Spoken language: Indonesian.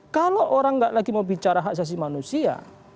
kalau orang nggak lagi mau bicara hak asasi manusia